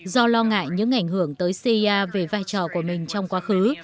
do lo ngại những ảnh hưởng tới cia về vai trò của mình trong quá khứ